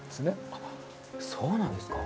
あっそうなんですか。